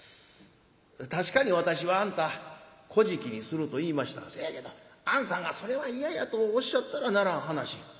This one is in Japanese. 確かに私はあんたこじきにすると言いましたがそやけどあんさんが『それは嫌や』とおっしゃったらならん話。